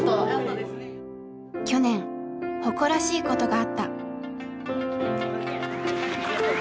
去年誇らしいことがあった。